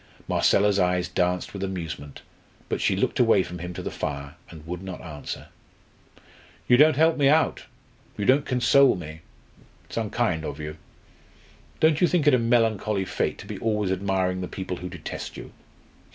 Marcella's eyes danced with amusement, but she looked away from him to the fire, and would not answer. "You don't help me out. You don't console me. It's unkind of you. Don't you think it a melancholy fate to be always admiring the people who detest you?"